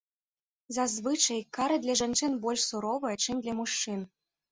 Зазвычай, кара для жанчын больш суровая, чым для мужчын.